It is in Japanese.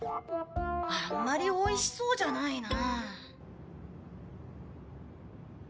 あんまりおいしそうじゃないな。